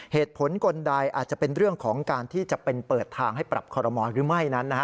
เหตุผลกลใดอาจจะเป็นเรื่องของการที่จะเป็นเปิดทางให้ปรับคอรมอลหรือไม่นั้น